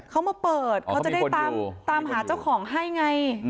เขามาเปิดเขาจะได้ตามหาเจ้าของให้ไง